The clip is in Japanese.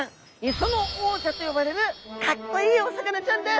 磯の王者と呼ばれるかっこいいお魚ちゃんです。